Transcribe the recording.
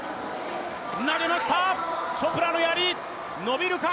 投げました、チョプラのやり伸びるか！